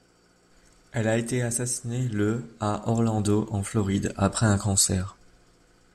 Elle a été assassinée le à Orlando, en Floride, après un concert.